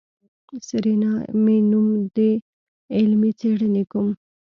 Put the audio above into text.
سېرېنا مې نوم دی علمي څېړنې کوم.